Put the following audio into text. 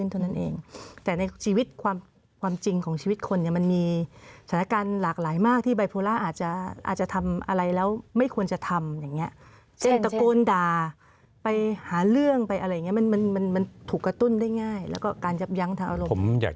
พันธุปรัมอย่างงี้เจ็บจากกลดาไปหาเรื่องไปอะไรเงี้ยมันมันมันมันถูกกระตุ้นได้ง่ายแล้วก็การจับย้ำว่าผมอยาก